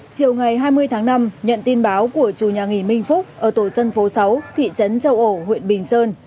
chiều ngày hai mươi tháng năm nhận tin báo của chủ nhà nghỉ minh phúc ở tổ dân phố sáu thị trấn châu ổ huyện bình sơn